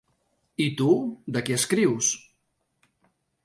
I tu, ¿de què escrius?